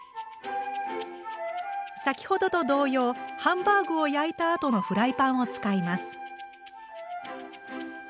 先ほどと同様ハンバーグを焼いたあとのフライパンを使います。